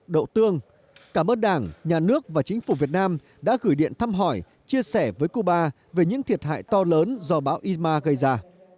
đậu tương cảm ơn đảng nhà nước và chính phủ việt nam đã gửi điện thăm hỏi chia sẻ với cuba về những thiệt hại to lớn do bão ima gây ra